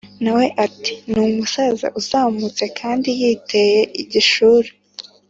na we ati “ni umusaza uzamutse kandi yiteye igishura”